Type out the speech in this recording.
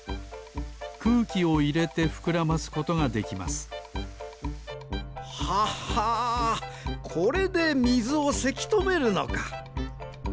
くうきをいれてふくらますことができますははこれでみずをせきとめるのか。